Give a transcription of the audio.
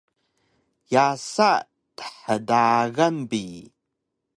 yasa thdagan bi